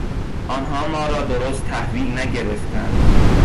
آنها ما را درست تحویل نگرفتند.